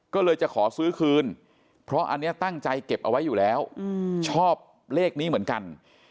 ก็เลยจะขอซื้อคืนเพราะอันนี้ตั้งใจเก็บเอาไว้อยู่แล้วชอบเลขนี้เหมือนกัน